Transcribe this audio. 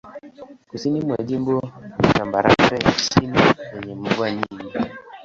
Kusini mwa jimbo ni tambarare ya chini yenye mvua nyingi.